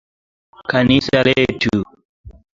Kanisa letu.